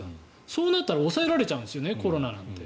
そうなったら抑えられちゃうんですよコロナなんて。